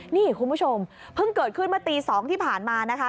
นี่คุณผู้ชมเพิ่งเกิดขึ้นเมื่อตี๒ที่ผ่านมานะคะ